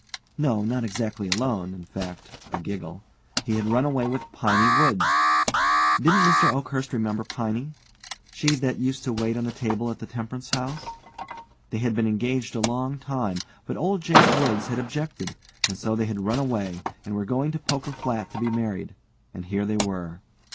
No, not exactly alone; in fact (a giggle), he had run away with Piney Woods. Didn't Mr. Oakhurst remember Piney? She that used to wait on the table at the Temperance House? They had been engaged a long time, but old Jake Woods had objected, and so they had run away, and were going to Poker Flat to be married, and here they were.